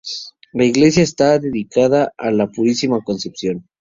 La iglesia está dedicada a La Purísima Concepción.